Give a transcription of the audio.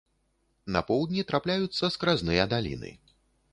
На поўдні трапляюцца скразныя даліны.